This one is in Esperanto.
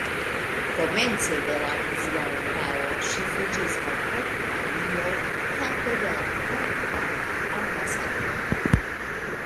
Komence de la nazia erao ŝi fuĝis al Portugalio helpe de la portugala ambasadoro.